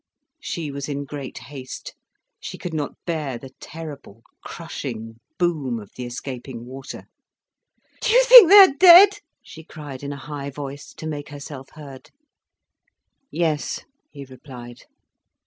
She was in great haste. She could not bear the terrible crushing boom of the escaping water. "Do you think they are dead?" she cried in a high voice, to make herself heard. "Yes," he replied.